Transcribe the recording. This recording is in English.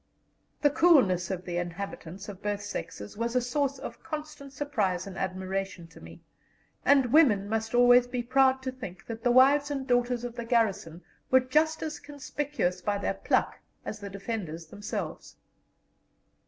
The coolness of the inhabitants, of both sexes, was a source of constant surprise and admiration to me, and women must always be proud to think that the wives and daughters of the garrison were just as conspicuous by their pluck as the defenders themselves.